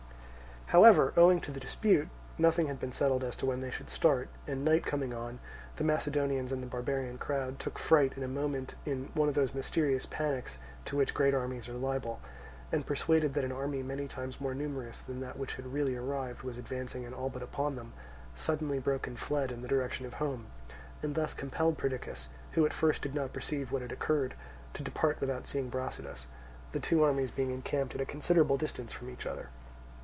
However, owing to the dispute, nothing had been settled as to when they should start; and night coming on, the Macedonians and the barbarian crowd took fright in a moment in one of those mysterious panics to which great armies are liable; and persuaded that an army many times more numerous than that which had really arrived was advancing and all but upon them, suddenly broke and fled in the direction of home, and thus compelled Perdiccas, who at first did not perceive what had occurred, to depart without seeing Brasidas, the two armies being encamped at a considerable distance from each other.